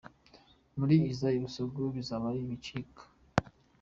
Muri Isae Busogo bizaba ari ibicika.